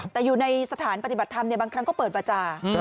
แต่อยู่ในสถานปฏิบัติธรรมบางครั้งก็เปิดประจา